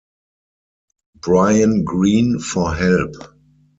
Brian Green for help.